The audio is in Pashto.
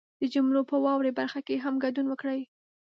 د جملو په واورئ برخه کې هم ګډون وکړئ